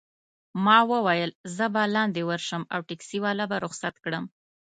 ما وویل: زه به لاندي ورشم او ټکسي والا به رخصت کړم.